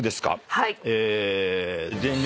はい。